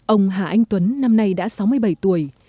ông hà anh tuấn năm nay đã sáu mươi bảy tuổi